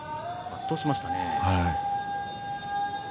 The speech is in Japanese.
圧倒しましたね。